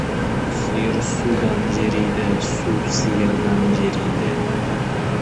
Сиыр судан жериді, су сиырдан жериді.